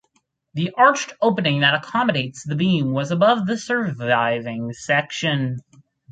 The arched opening that accommodated the beam was above the surviving section.